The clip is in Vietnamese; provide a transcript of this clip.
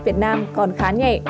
việt nam còn khá nhẹ